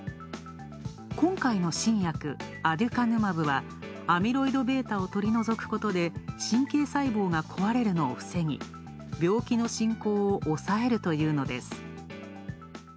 今回の新薬、アデュカヌマブは、アミロイドベータを取り除くことで、神経細胞が壊れるのを防ぎ、病気の進行を抑えるというのです。